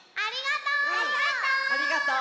ありがとう！